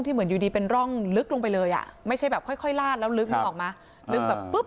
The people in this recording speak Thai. แล้วน้องอีกคนหนึ่งจะขึ้นปรากฏว่าต้องมาจมน้ำเสียชีวิตทั้งคู่